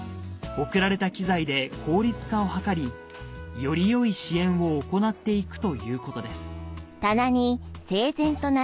贈られた機材で効率化を図りよりよい支援を行っていくということです